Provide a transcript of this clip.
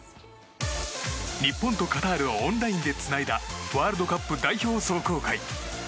日本とカタールをオンラインでつないだワールドカップ代表壮行会。